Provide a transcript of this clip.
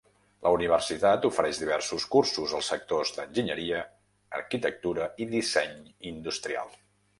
La universitat ofereix diversos cursos als sectors d'enginyeria, arquitectura i disseny industrial.